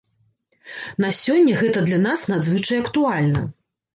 На сёння гэта для нас надзвычай актуальна.